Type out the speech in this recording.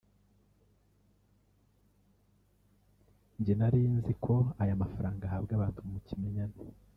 njye narinziko aya mafaranga ahabwa abantu mu kimenyane